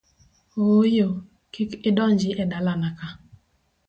Ooyo, kik idonji e dalana ka!